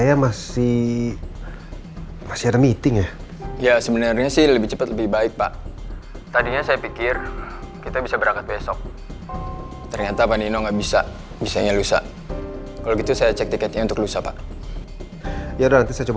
aku kesini tuh karena aku pengen ngomongin sesuatu sama kamu